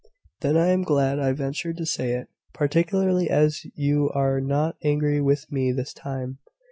"Then I am glad I ventured to say it, particularly as you are not angry with me this time."